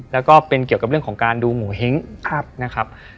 แล้วก็เป็นเกี่ยวกับเรื่องของการดูโงเห้งนะครับ